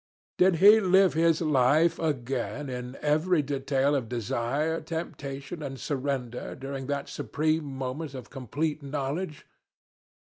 Did he live his life again in every detail of desire, temptation, and surrender during that supreme moment of complete knowledge?